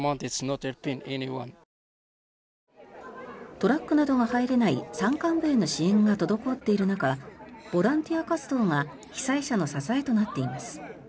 トラックなどが入れない山間部への支援が滞っている中ボランティア活動が被災者の支えとなっています。